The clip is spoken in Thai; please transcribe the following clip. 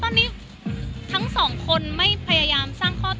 ตอนนี้ทั้ง๒คนไม่ปยายามสร้างข้อตกลงอะไรกัน